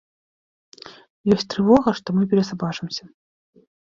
Ёсць трывога, што мы перасабачымся.